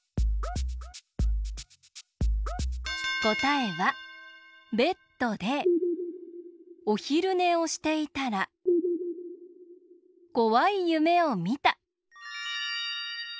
こたえはベッドでおひるねをしていたらこわいゆめをみた。